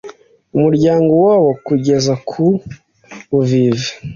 umuryango wabo kugeza ku buvivi